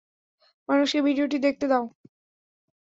মানুষকে ভিডিওটি দেখতে দাও।